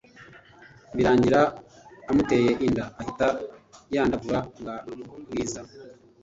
birangira amuteye inda ahita yandavura bwa bwiza